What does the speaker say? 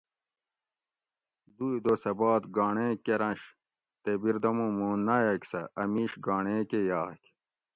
دوئ دوسہ باد گانڑے کرںش تے بردمو موں نایٔک سہۤ اۤ میش گانڑے کہ یاگ